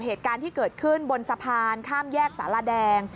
เหตุการณ์ที่เกิดขึ้นบนสะพานข้ามแยกสารแดง